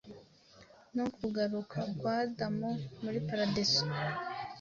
no kugaruka kwa Adamu muri paradizo.